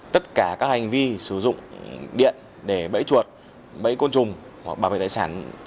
tất cả các hành vi sử dụng điện để bẫy chuột bẫy côn trùng hoặc bảo vệ tài sản